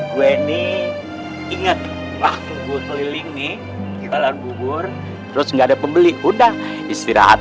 gue ini inget waktu gue keliling nih jualan bubur terus nggak ada pembeli udah istirahat